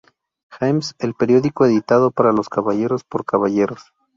James, el periódico editado "para caballeros por caballeros".